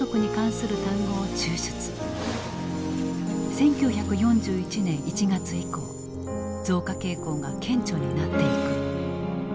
１９４１年１月以降増加傾向が顕著になっていく。